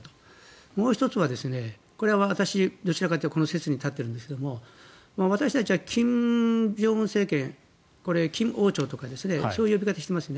もう１つは、これは私どちらかというとこの説に立っているんですが私たちは金正恩政権金王朝とかそういう呼び方をしていますね。